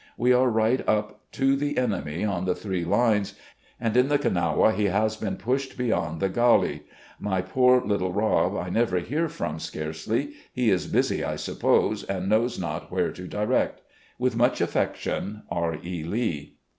We are right up to the enemy on the three lines, and in the Kanawha he has been pushed beyond the Gauley. ... My poor little Rob I never hear from scarcely. He is busy, I suppose, and knows not where to direct. ... "With much affection^ "R. E. Lee."